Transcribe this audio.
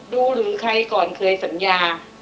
หรือใครก่อนเคยสัญญา